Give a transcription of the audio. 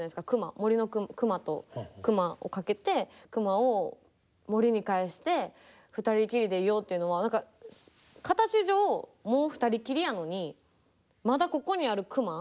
森の熊とクマをかけてクマを森に帰して二人きりでいようというのは何か形上もう二人きりやのにまだここにあるクマ